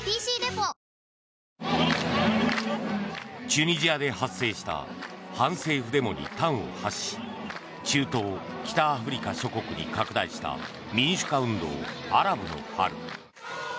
チュニジアで発生した反政府デモに端を発し中東・北アフリカ諸国に拡大した民主化運動アラブの春。